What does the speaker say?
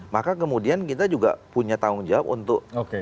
maka kemudian kita juga punya tanggung jawab untuk